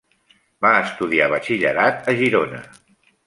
Va estudiar batxillerat a Girona.